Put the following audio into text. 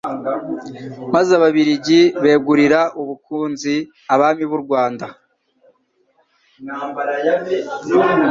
maze Ababiligi begurira u Bukunzi Abami b'u Rwanda.